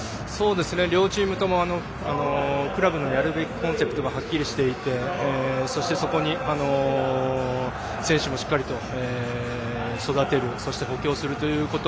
両チームともクラブのやるべきコンセプトがはっきりしていて、そこに選手もしっかりと育てるそして補強するということ